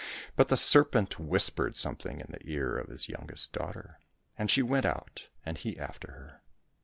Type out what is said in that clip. But the serpent whis pered something in the ear of his youngest daughter, and she went out, and he after her.